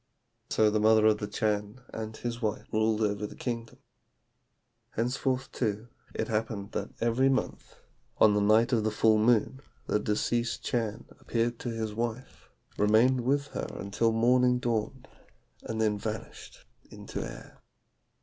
So the mother of the Chan and his wife ruled over the kingdom. "Henceforth, too, it happened that every month, on the night of the full moon, the deceased Chan appeared to his wife, remained with her until morning dawned, and then vanished into air.